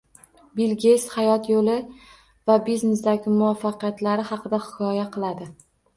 Bill Geytsning hayot yo‘li va biznesdagi muvaffaqiyatlari haqida hikoya qilinadi